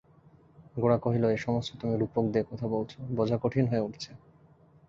গোরা কহিল, এ-সমস্ত তুমি রূপক দিয়ে কথা বলছ, বোঝা কঠিন হয়ে উঠছে।